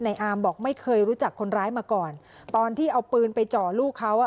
อามบอกไม่เคยรู้จักคนร้ายมาก่อนตอนที่เอาปืนไปจ่อลูกเขาอ่ะ